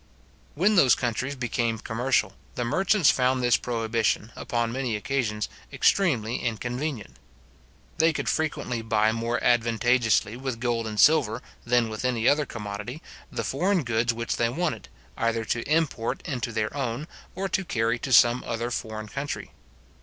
When those countries became commercial, the merchants found this prohibition, upon many occasions, extremely inconvenient. They could frequently buy more advantageously with gold and silver, than with any other commodity, the foreign goods which they wanted, either to import into their own, or to carry to some other foreign country.